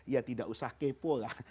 ya tidak usah kepo lah